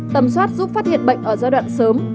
tầm soát giúp phát hiện bệnh ở giai đoạn sớm